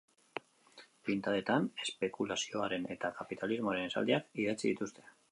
Pintadetan espekulazioaren eta kapitalismoaren esaldiak idatzi dituzte.